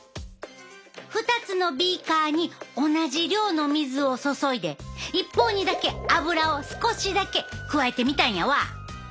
２つのビーカーに同じ量の水を注いで一方にだけアブラを少しだけ加えてみたんやわ。